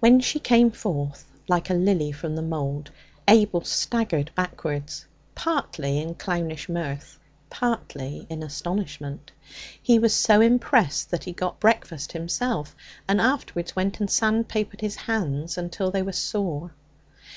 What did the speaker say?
When she came forth like a lily from the mould, Abel staggered backwards, partly in clownish mirth, partly in astonishment. He was so impressed that he got breakfast himself, and afterwards went and sandpapered his hands until they were sore.